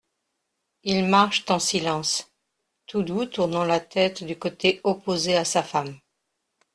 Ils marchent en silence, Toudoux tournant la tête du côté opposé à sa femme.